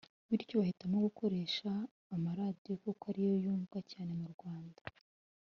bityo bahitamo gukoresha amaradiyo kuko ariyo yumvwa cyane mu Rwanda